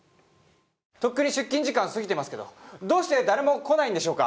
とっくに出勤時間過ぎてますけどどうして誰も来ないのでしょうか？